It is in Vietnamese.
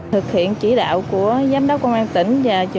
thực hiện chỉ đạo của giám đốc công an tỉnh